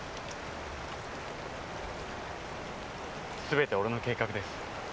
すべて俺の計画です。